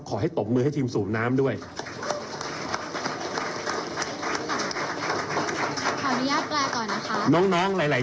ขอให้ตกมือทีมสูบน้ำได้